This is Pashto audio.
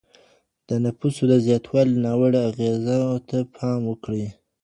د نفوسو د زیاتوالي ناوړه اغیزو ته پام وکړئ.